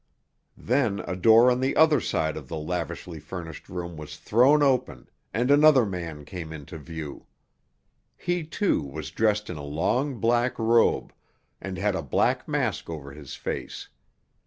Then a door on the other side of the lavishly furnished room was thrown open, and another man came into view. He, too, was dressed in a long black robe, and had a black mask over his face.